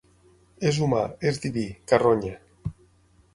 És humà, és diví, carronya.